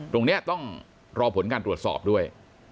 ตรงนี้ต้องรอผลการตรวจสอบด้วย